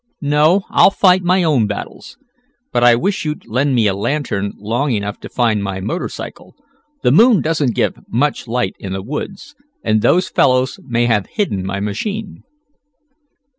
No, I'll fight my own battles. But I wish you'd lend me a lantern long enough to find my motor cycle. The moon doesn't give much light in the woods, and those fellows may have hidden my machine."